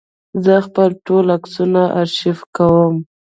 زه خپل ټول عکسونه آرشیف کوم.